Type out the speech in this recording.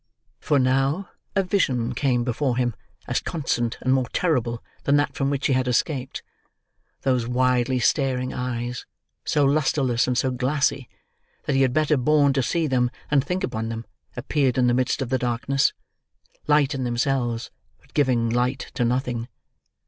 For now, a vision came before him, as constant and more terrible than that from which he had escaped. Those widely staring eyes, so lustreless and so glassy, that he had better borne to see them than think upon them, appeared in the midst of the darkness: light in themselves, but giving light to nothing.